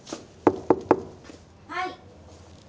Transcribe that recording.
はい。